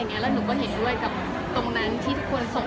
ให้เป็นสิทธิ์ของพี่เขาเลยค่ะ